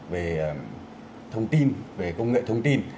về thông tin về công nghệ thông tin